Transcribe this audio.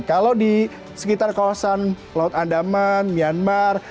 kalau di sekitar kawasan laut andaman myanmar